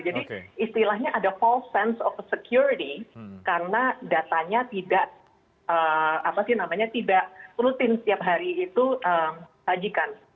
jadi istilahnya ada false sense of security karena datanya tidak rutin setiap hari itu sajikan